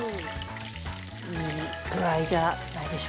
いい具合じゃないでしょうか。